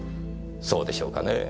そうでしょうかねぇ。